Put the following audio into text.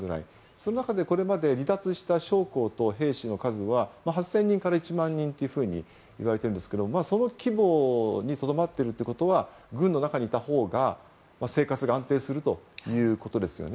その中で、これまで離脱した将校と兵士の数は８０００人から１万人くらいといわれているんですけどその規模にとどまっているということは軍の中にいたほうが、生活が安定するということですよね。